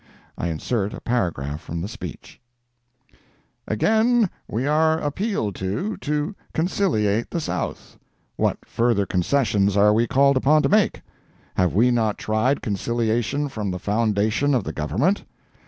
I insert a paragraph from the speech: Again we are appealed to to conciliate the South. What further concessions are we called upon to make? Have we not tried conciliation from the foundation of the Government?